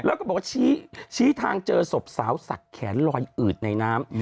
แล้วก็บอกว่าชี้ทางเจอศพสาวสักแขนลอยอืดในน้ำ